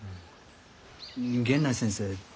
源内先生